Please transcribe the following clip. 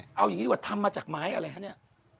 เอาอย่างนี้ดีกว่าทำมาจากไม้อะไรฮะเนี่ย